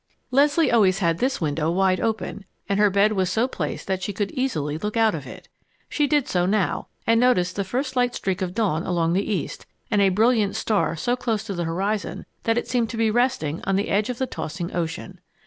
Leslie always had this window wide open, and her bed was so placed that she could easily look out of it. She did so now, and noticed the first light streak of dawn along the east, and a brilliant star so close to the horizon that it seemed to be resting on the edge of the tossing ocean.